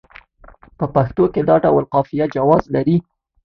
په پښتو کې دا ډول قافیه جواز لري.